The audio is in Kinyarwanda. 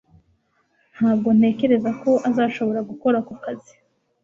Ntabwo ntekereza ko azashobora gukora ako kazi